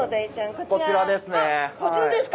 こちらですか？